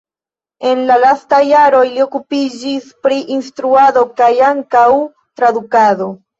En la lastaj jaroj li okupiĝis pri instruado kaj ankaŭ tradukado.